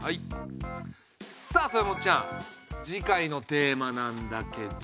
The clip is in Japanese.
さあ豊本ちゃん次回のテーマなんだけど。